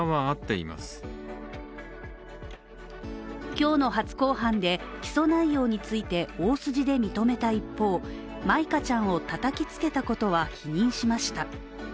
今日の初公判で起訴内用について大筋で認めた一方舞香ちゃんをたたきつけたことは否認しました。